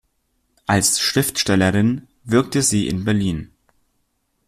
Als Schriftstellerin wirkte sie in Berlin.